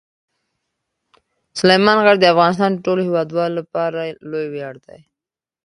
سلیمان غر د افغانستان د ټولو هیوادوالو لپاره لوی ویاړ دی.